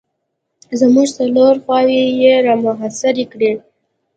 زموږ څلور خواوې یې را محاصره کړلې.